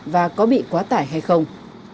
và có bị quá tải hay không